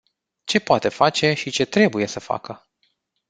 Ce poate face și ce trebuie să facă?